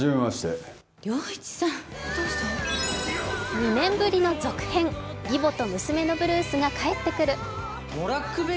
２年ぶりの続編、「義母と娘のブルース」が帰ってくる。